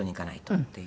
っていう。